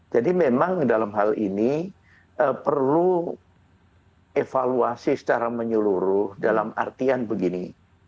jadi memang dalam hal ini perlu evaluasi secara menyeluruh dalam artian begini